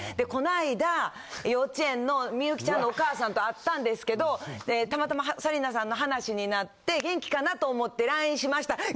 この間、幼稚園のみゆきちゃんのお母さんと会ったんですけど、たまたま紗理奈さんの話になって、元気かなと思ってＬＩＮＥしました。